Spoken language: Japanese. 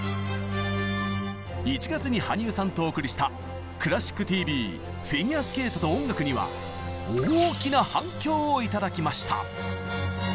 １月に羽生さんとお送りした「クラシックＴＶフィギュアスケートと音楽」には大きな反響を頂きました！